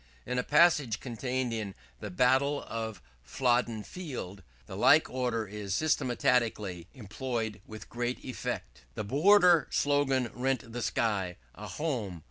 In a passage contained in 'The Battle of Flodden Field,' the like order is systematically employed with great effect: "The Border slogan rent the sky! _A Home!